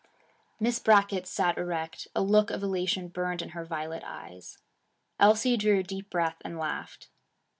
Miss Brackett sat erect. A look of elation burned in her violet eyes. Elsie drew a deep breath and laughed.